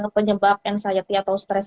penyebab anxiety atau stress